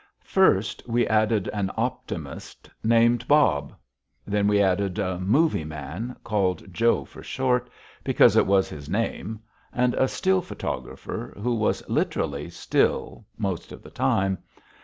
First, we added an optimist named Bob. Then we added a "movie" man, called Joe for short and because it was his name, and a "still" photographer, who was literally still most of the time.